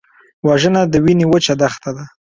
وژنه د وینې وچه دښته ده